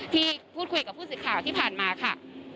ที่พูดคุยกับผู้สื่อข่าวที่ผ่านมาค่ะ